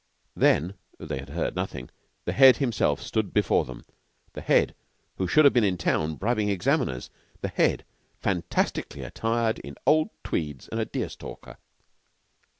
Then they had heard nothing the Head himself stood before them the Head who should have been in town bribing examiners the Head fantastically attired in old tweeds and a deer stalker!